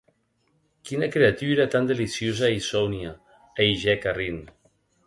Quina creatura tan deliciosa ei Sonia!, ahigec arrint.